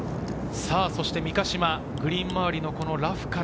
そして三ヶ島、グリーン周りのラフから。